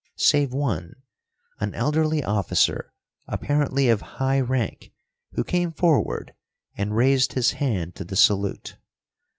Save one, an elderly officer, apparently of high rank, who came forward and raised his hand to the salute.